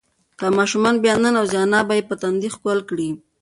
که ماشوم بیا ننوځي، انا به یې په تندي ښکل کړي.